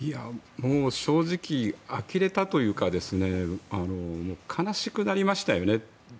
正直あきれたというか悲しくなりました。